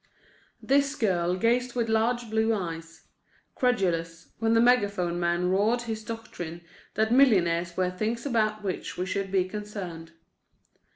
This girl gazed with large blue eyes, credulous, when the megaphone man roared his doctrine that millionaires were things about which we should be concerned.